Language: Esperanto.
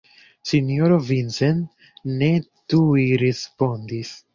Sinjoro Vincent ne tuj respondis.